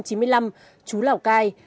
chú lào cai